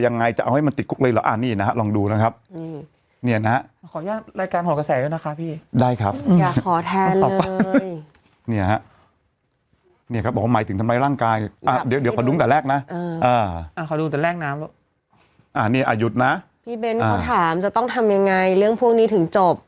นี่นะครับหมายถึงทำไมร่างกายเดี๋ยวขนุกอย่างแรกนะอยุฎนะพี่เบ้นก็ถามจะต้องทำยังไงเรื่องพวกนี้ถึงจบ